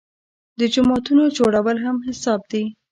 د جوماتونو جوړول هم حساب دي.